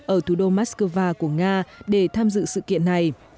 ở thủ đô moscow của nga để tham dự sự kiện này